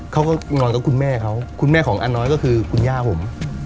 เขาก็นอนกับคุณแม่เขาคุณแม่ของอาน้อยก็คือคุณย่าผม